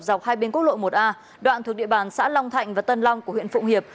dọc hai bên quốc lộ một a đoạn thuộc địa bàn xã long thạnh và tân long của huyện phụng hiệp